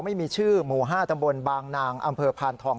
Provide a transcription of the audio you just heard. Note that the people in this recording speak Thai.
ไม่มีชื่อหมู่๕ตำบลบางนางอำเภอพานทอง